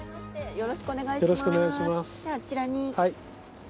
よろしくお願いします。